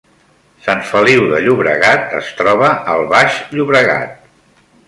Sant Feliu de Llobregat es troba al Baix Llobregat